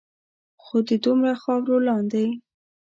خو د دومره خاورو لاندے